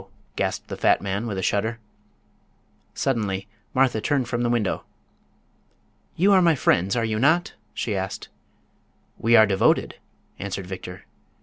gasped the fat man, with a shudder. Suddenly Martha turned from the window. "You are my friends, are you not?" she asked. "We are devoted!" answered Victor.